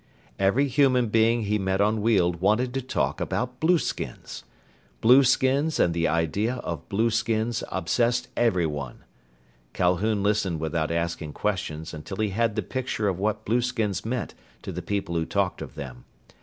Every human being he met on Weald wanted to talk about blueskins. Blueskins and the idea of blueskins obsessed everyone. Calhoun listened without asking questions until he had the picture of what blueskins meant to the people who talked of them.